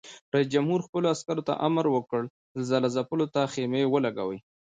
رئیس جمهور خپلو عسکرو ته امر وکړ؛ زلزله ځپلو ته خېمې ولګوئ!